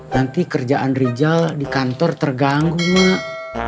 nanti kerjaan rijal di kantor terganggu mak